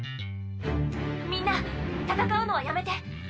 みんな戦うのはやめて！